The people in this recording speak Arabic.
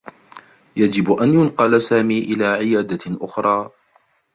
يجب أن يُنقل سامي إلى عيادة أخرى.